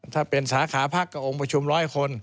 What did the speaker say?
ถ้าเป็นสาขาพักกับองค์ประชุม๑๐๐คน